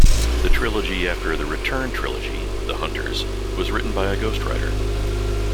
The trilogy after "The Return" trilogy, "The Hunters", was written by a ghostwriter.